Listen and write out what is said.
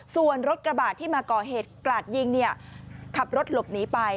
ส่วนรถกระบาดที่มาก่อเหตุกราดยิงเนี่ยขับรถหลบหนีไป